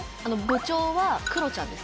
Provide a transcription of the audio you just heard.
部長は。